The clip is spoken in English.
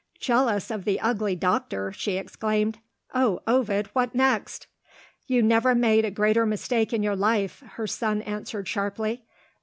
"Jealous of the ugly doctor!" she exclaimed. "Oh, Ovid, what next?" "You never made a greater mistake in your life," her son answered sharply.